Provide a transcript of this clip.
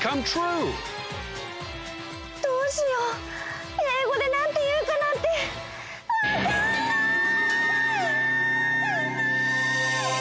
どうしようえいごでなんていうかなんてわかんない！